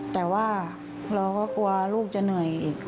แต่ว่าเราก็กลัวลูกจะเหนื่อยอีก